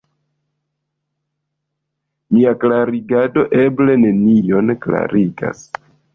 Mia klarigado eble nenion klarigas.